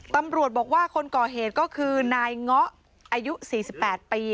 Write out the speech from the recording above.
ตำรวจบอกว่าคนก่อเหตุก็คือนายเงาะอายุ๔๘ปี